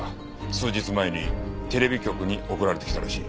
数日前にテレビ局に送られてきたらしい。